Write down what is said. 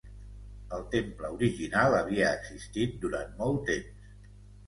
El temple original havia existit durant molt temps.